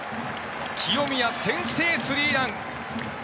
清宮、先制スリーラン！